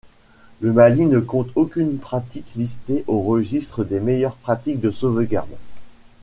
Le Mali ne compte aucune pratique listée au registre des meilleures pratiques de sauvegarde.